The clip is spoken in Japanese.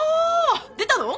出たの？